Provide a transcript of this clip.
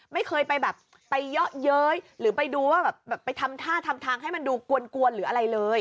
ไม่เคยไปแบบไปเยาะเย้ยหรือไปดูว่าแบบไปทำท่าทำทางให้มันดูกวนหรืออะไรเลย